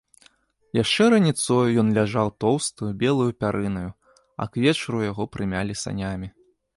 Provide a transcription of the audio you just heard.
Яшчэ раніцою ён ляжаў тоўстаю, белаю пярынаю, а к вечару яго прымялі санямі.